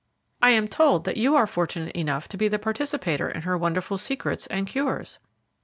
I am told that you are fortunate enough to be the participator in her wonderful secrets and cures."